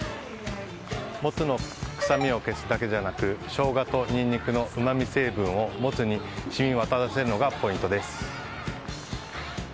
モツの臭みを消すだけじゃなくショウガとニンニクのうまみ成分をモツに染み渡らせるのがポイントです。